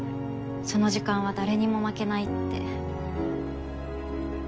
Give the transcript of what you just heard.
その時間は誰にも負けないって。